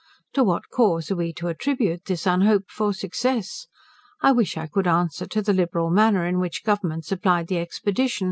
To what cause are we to attribute this unhoped for success? I wish I could answer to the liberal manner in which Government supplied the expedition.